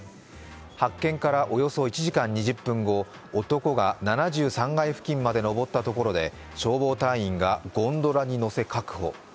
発見からおよそ１時間２０分後、男が７３階付近まで登ったところで消防隊員がゴンドラに乗せ確保。